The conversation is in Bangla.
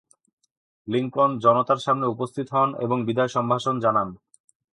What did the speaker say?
লিঙ্কন জনতার সামনে উপস্থিত হন এবং বিদায় সম্ভাষণ জানান।